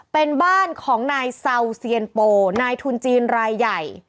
เป็นบ้านของนายเซาเซียนโปนายทุนจีนรายใหญ่